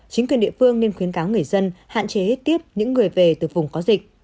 chính quyền địa phương nên khuyến cáo người dân hạn chế tiếp những người về từ vùng có dịch